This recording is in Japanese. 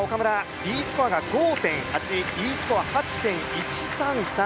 Ｄスコア５．８Ｅスコア８．１３３。